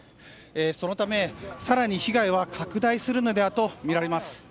そのため、更に被害は拡大するのではとみられます。